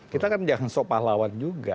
kita kan jangan sopah lawan juga